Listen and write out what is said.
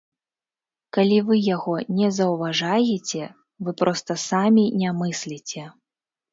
Калі вы яго не заўважаеце, вы проста самі не мысліце.